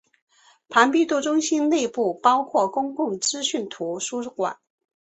庞毕度中心内部包括公共资讯图书馆。